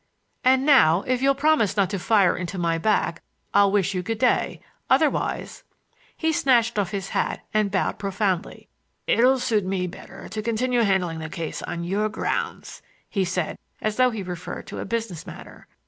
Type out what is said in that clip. "And now, if you'll promise not to fire into my back I'll wish you good day. Otherwise—" He snatched off his hat and bowed profoundly. "It'll suit me much better to continue handling the case on your grounds," he said, as though he referred to a business matter.